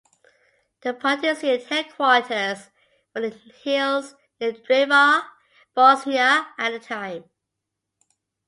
The Partisan headquarters were in the hills near Drvar, Bosnia at the time.